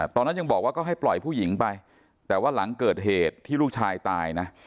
ตอนนั้นยังบอกว่าก็ให้ปล่อยผู้หญิงไปแต่ว่าหลังเกิดเหตุที่ลูกชายตายนะ